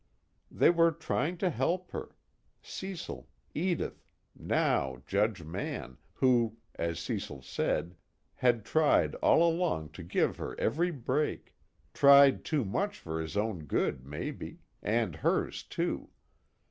They were trying to help her. Cecil, Edith, now Judge Mann who, as Cecil said, had tried all along to give her every break tried too much for his own good, maybe, and hers too.